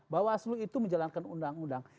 bahwa aslu itu menjalankan undang undang